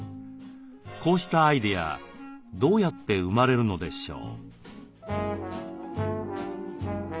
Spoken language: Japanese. こうしたアイデアどうやって生まれるのでしょう？